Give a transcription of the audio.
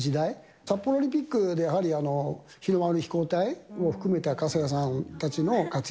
札幌オリンピックでやはり、日の丸飛行隊を含めた笠谷さんたちの活躍。